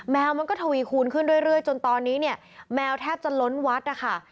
แมวมันก็ทวีคูณขึ้นเรื่อยจนตอนนี้เนี่ยแมวแทบจะล้นวัดนะคะ